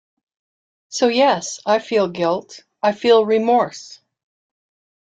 So yes, I feel guilt, I feel remorse.